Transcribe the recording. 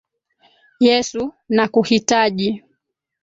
Yesu, nakuhitaji.